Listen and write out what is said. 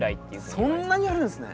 そんなにあるんですね。